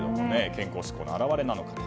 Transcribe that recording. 健康志向の表れなのか。